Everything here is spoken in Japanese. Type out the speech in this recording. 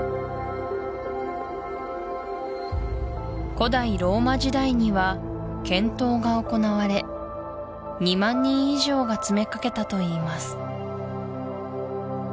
古代ローマ時代には剣闘が行われ２万人以上が詰めかけたといいます